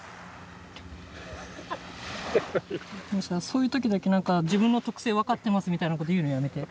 そういう時だけ何か「自分の特性分かってます」みたいなこと言うのやめて。